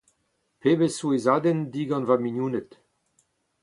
Pebezh souezhadenn digant ma mignoned !